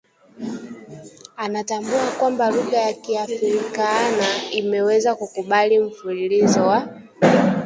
anatambua kwamba lugha ya Kiafrikaana imeweza kukubali mfululizo wa